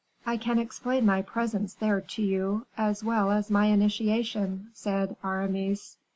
"I can explain my presence there to you, as well as my initiation," said Aramis.